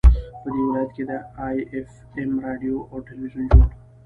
په دې ولايت كې د اېف اېم راډيو او ټېلوېزون جوړ